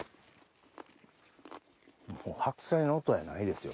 もう白菜の音やないですよ。